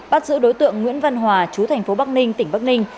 bắt giữ đối tượng nguyễn văn hòa chú thành phố bắc ninh tỉnh bắc ninh